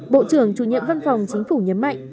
bộ trưởng chủ nhiệm văn phòng chính phủ nhấn mạnh